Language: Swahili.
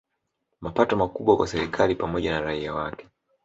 Mapato makubwa kwa serikali pamoja na raia wake